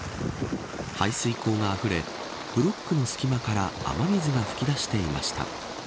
排水溝があふれブロックの隙間から雨水が噴き出していました。